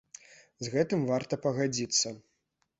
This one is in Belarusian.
З гэтым варта пагадзіцца.